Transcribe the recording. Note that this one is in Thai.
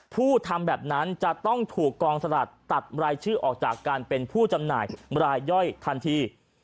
ผู้ทำแบบนั้นจะต้องถูกกองสลัดตัดรายชื่อออกจากการเป็นผู้จำหน่ายรายย่อยทันที